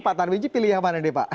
pak sutar miji pilih yang mana nih pak